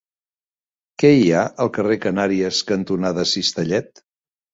Què hi ha al carrer Canàries cantonada Cistellet?